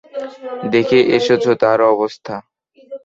দেখে এসেছো তার অবস্থা?